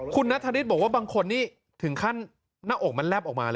คุณนัทธริสบอกว่าบางคนนี่ถึงขั้นหน้าอกมันแลบออกมาเลย